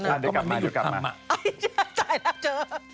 มันโร่หรอเด่นคุณฉันไม่ถ่ายละครับ